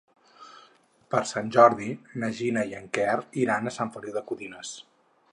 Per Sant Jordi na Gina i en Quer iran a Sant Feliu de Codines.